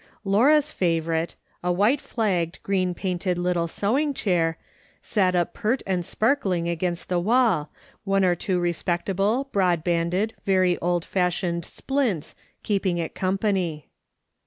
Laura's favourite, a white flagged, green painted little sewing chair, sat up pert and sparkling against the wall, one or two respectable, broad banded, very old fashioned " splints" keeping it company.